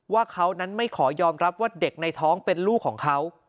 ว่าเขานั้นไม่ขอยอมรับว่าเด็กในท้องเป็นลูกของเขา